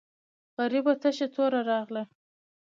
غریبه تشه توره راغله.